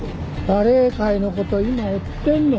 バレエ界のこと今追ってんの。